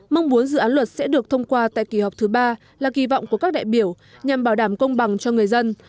mong muốn dự án luật sẽ được thông qua tại kỳ họp thứ ba là kỳ vọng của các đại biểu nhằm bảo đảm công bằng cho người dân